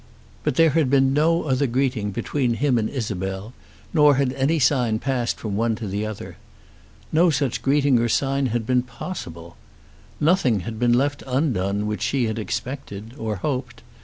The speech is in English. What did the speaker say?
But there had been no other greeting between him and Isabel, nor had any sign passed from one to the other. No such greeting or sign had been possible. Nothing had been left undone which she had expected, or hoped.